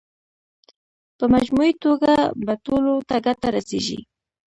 په مجموعي توګه به ټولو ته ګټه رسېږي.